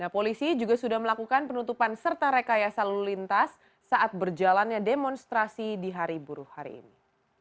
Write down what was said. polisi juga sudah melakukan penutupan serta rekayasa lalu lintas saat berjalannya demonstrasi di hari buruh hari ini